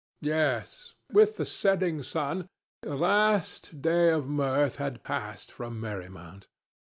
Yes, with the setting sun the last day of mirth had passed from Merry Mount.